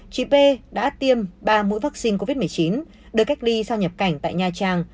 chị p đã tiêm ba mũi vaccine covid một mươi chín được cách ly sau nhập cảnh tại nha trang